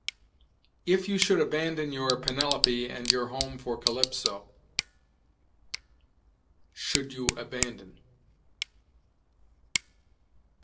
"'If you should abandon your Penelope and your home for Calypso, ': 'should you abandon